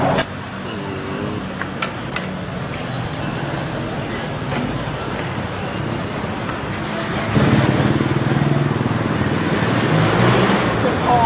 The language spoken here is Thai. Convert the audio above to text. สวัสดีทุกคน